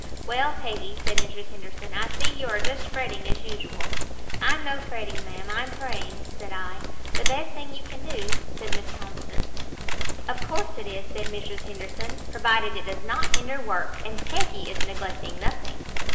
"'Well, Peggy,' said Mrs. Henderson, 'I see you are just fretting, as usual.' "'I'm no fretting, ma'am, I'm praying,' said I. "'The best thing you can do,' said Miss Thomson. "'Of course it is,' said Mrs. Henderson, 'provided it does not hinder work, and Peggy is neglecting nothing.'